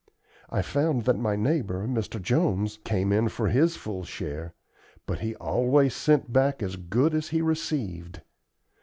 I found that my neighbor, Mr. Jones, came in for his full share, but he always sent back as good as he received.